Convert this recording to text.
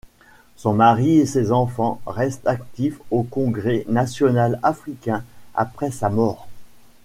Son mari et ses enfants restent actifs au Congrès national africain après sa mort.